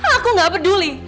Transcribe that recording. aku gak peduli